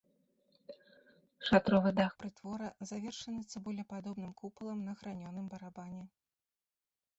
Шатровы дах прытвора завершаны цыбулепадобным купалам на гранёным барабане.